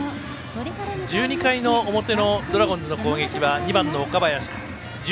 １２回の表のドラゴンズの攻撃は２番の岡林。